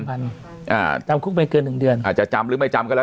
พันอ่าจำคุกไม่เกินหนึ่งเดือนอาจจะจำหรือไม่จำก็แล้ว